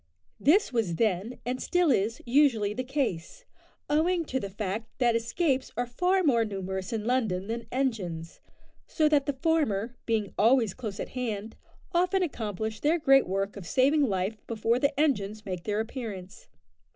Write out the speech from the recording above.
This was then, and still is, usually the case, owing to the fact that escapes are far more numerous in London than engines, so that the former, being always close at hand, often accomplish their great work of saving life before the engines make their appearance.